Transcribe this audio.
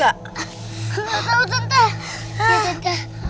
gak tau tante